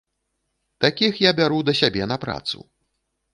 Такіх я бяру да сябе на працу.